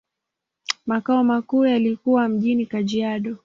Makao makuu yalikuwa mjini Kajiado.